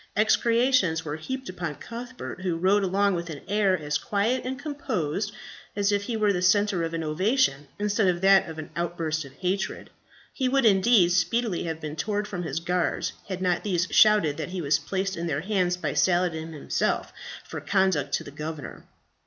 Execrations were heaped upon Cuthbert, who rode along with an air as quiet and composed as if he were the centre of an ovation instead of that of an outburst of hatred. He would, indeed, speedily have been torn from his guards, had not these shouted that he was placed in their hands by Saladin himself for conduct to the governor.